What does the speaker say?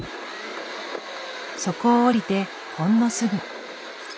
そこを降りてほんのすぐ。